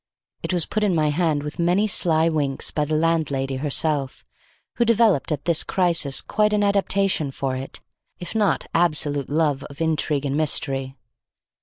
It was put in my hand with many sly winks by the landlady herself, who developed at this crisis quite an adaptation for, if not absolute love of intrigue and mystery.